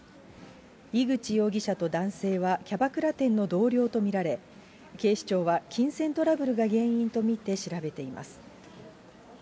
井口容疑者と男性はキャバクラ店の同僚と見られ、警視庁は金銭トラブルが原因と見て調べています。